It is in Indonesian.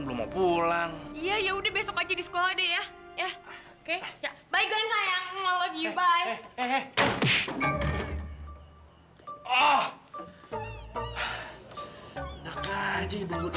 belum pulang iya udah besok aja di sekolah deh ya ya bye bye bye bye